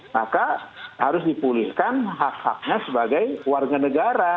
maka harus dipulihkan hak haknya sebagai warga negara